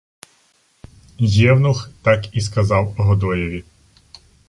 Євнух так і сказав Годоєві: